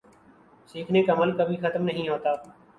سیکھنے کا عمل کبھی ختم نہیں ہوتا